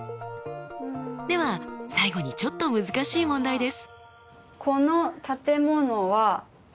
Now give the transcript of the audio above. では最後にちょっと難しい問題です。